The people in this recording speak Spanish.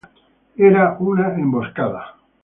Era una emboscada.